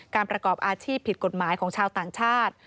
ประกอบอาชีพผิดกฎหมายของชาวต่างชาติ